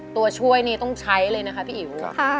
ตัวช่วยนี่ต้องใช้เลยนะคะพี่อิ๋ว